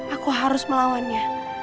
aku harus melawannya